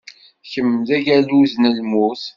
Kemm d agaluz n lmut.